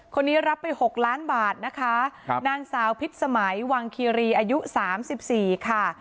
คนนี้รับไป๖ล้านบาทนะคะครับนางสาวพิษสมัยวังคีรีอายุ๓๔ค่ะ